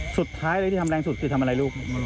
สุดท้ายอะไรที่ทำแรงสุดคือทำอะไรลูก